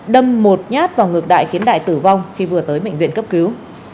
đâm một nhát vào ngực đại khiến đại tử vong khi vừa tới bệnh viện cấp cứu